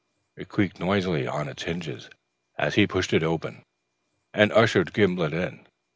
It creaked noisily on its hinges, as he pushed it open and ushered Gimblet in.